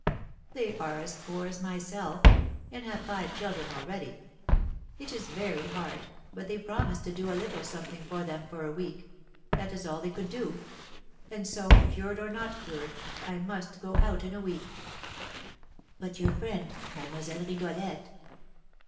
"They are as poor as myself, and have five children already. It is very hard, but they promised to do a little something for them for a week; that is all they could do. And so, cured or not cured, I must go out in a week." "But your friend, Mademoiselle Rigolette?"